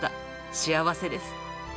幸せです。